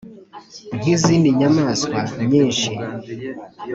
nk’izindi nyamaswa nyinshi